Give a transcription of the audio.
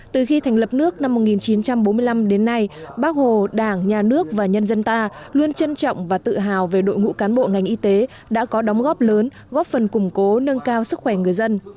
từ khi thành lập nước năm một nghìn chín trăm bốn mươi năm đến nay bác hồ đảng nhà nước và nhân dân ta luôn trân trọng và tự hào về đội ngũ cán bộ ngành y tế đã có đóng góp lớn góp phần củng cố nâng cao sức khỏe người dân